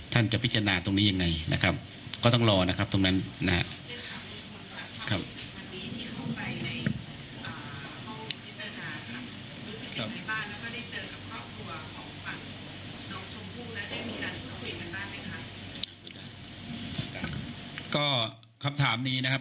ท่านจะพิจารณาตรงนี้อย่างไรนะครับ